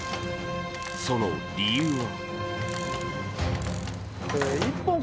その理由は。